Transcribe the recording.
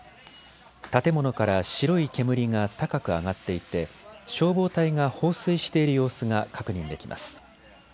建物から白い煙が高く上がっていて消防隊が放水している様子が確認できます。